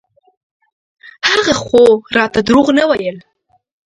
هغه خو راته دروغ نه ويل.